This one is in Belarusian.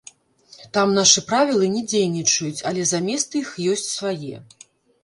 Там нашы правілы не дзейнічаюць, але замест іх ёсць свае.